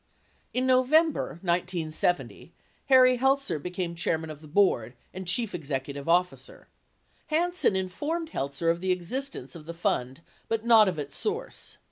In November 1970, Harry Heltzer became chairman of the board and chief executive officer. Hansen informed Heltzer of the existence of the fund but not of its source.